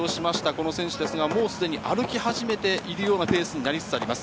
この選手ですが、もうすでに歩き始めているようなペースになりつつあります。